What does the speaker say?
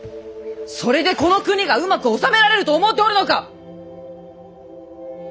それでこの国がうまく治められると思うておるのか！